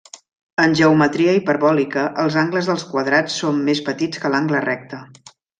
En geometria hiperbòlica, els angles dels quadrats són més petits que l'angle recte.